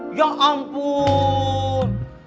kayaknya masih ada yang galau deh